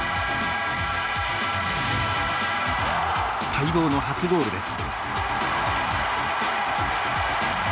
待望の初ゴールです。